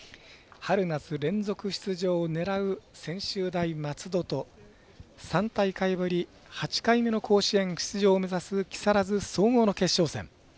春夏連続出場を狙う専修大松戸と３大会ぶり８回目の甲子園出場を目指す木更津総合の決勝戦。